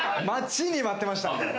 待ちに待ってました。